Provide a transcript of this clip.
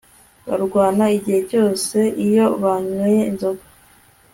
barwana igihe cyose iyo banyweye inzoga